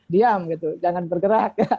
diam gitu jangan bergerak